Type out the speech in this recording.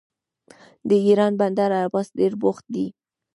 د ایران بندر عباس ډیر بوخت دی.